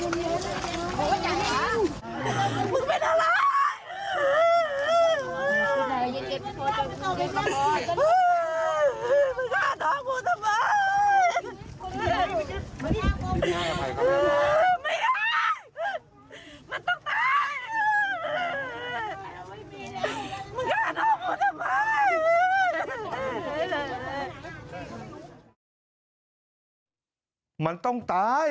ไม่ต้องพูดอะไร